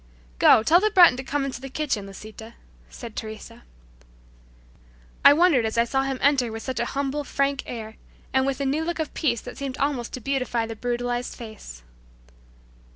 "Go, tell the Breton to come into the kitchen, Lisita," said Teresa. I wondered as I saw him enter with such a humble, frank air, and with a new look of peace that seemed almost to beautify the brutalized face.